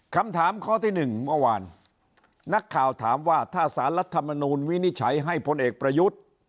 คำถามข้อที่๑เมื่อวานนักข่าวถามว่าถ้าสารรัฐมนูลวินิจฉัยให้พลเอกประยุทธ์